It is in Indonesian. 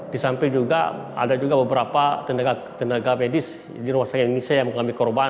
di samping juga ada juga beberapa tenaga medis di rumah sakit indonesia yang mengalami korban